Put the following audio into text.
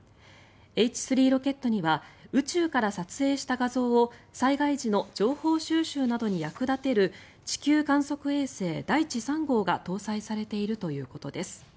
Ｈ３ロケットには宇宙から撮影した画像を災害時の情報収集などに役立てる地球観測衛星だいち３号が搭載されているということです。